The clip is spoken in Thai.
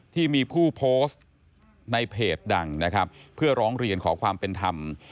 ที่มีผู้โพสต์ในเพจดังนะครับเพื่อร้องเรียนขอความเป็นธรรม